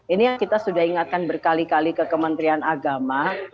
ini yang kita sudah ingatkan berkali kali ke kementerian agama